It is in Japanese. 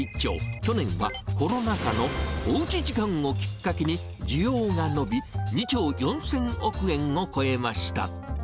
去年は、コロナ禍のおうち時間をきっかけに需要が伸び、２兆４０００億円を超えました。